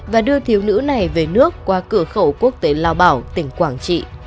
và đưa thiếu nữ này về nước qua cửa khẩu quốc tế lao bảo tỉnh quảng trị